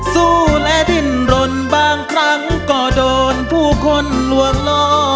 สู้และดิ้นรนบางครั้งก็โดนผู้คนลวงล้อ